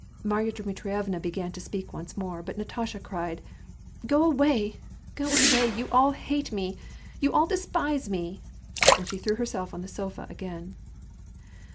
Marya Dmitrievna began to speak once more, but Natasha cried :" Go away, go away ! you all hate me ! you all despise me !" And she threw herself on the sofa again.